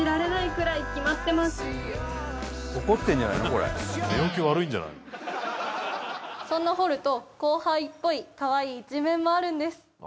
これ実はそんなホルト後輩っぽいかわいい一面もあるんです